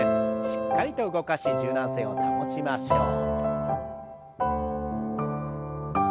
しっかりと動かし柔軟性を保ちましょう。